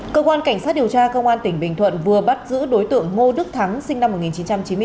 cơ quan cảnh sát điều tra công an tỉnh bình thuận vừa bắt giữ đối tượng ngô đức thắng sinh năm một nghìn chín trăm chín mươi bốn